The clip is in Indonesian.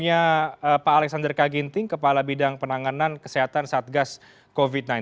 ada pak alexander kaginting kepala bidang penanganan kesehatan satgas covid sembilan belas